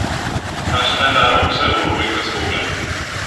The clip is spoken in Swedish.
Kanske den där också är orolig för skogen.